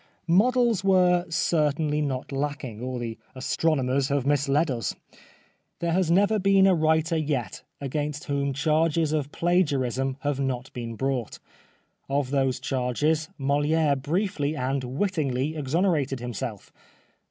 Models were certainly not lacking, or the astronomers have misled us. There has never been a writer yet against whom charges of plagiarism have not been brought. Of those charges Moli^re briefly and wittingly exonerated himself.